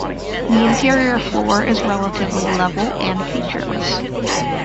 The interior floor is relatively level and featureless.